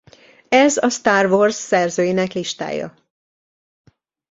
Ez a Star Wars szerzőinek listája.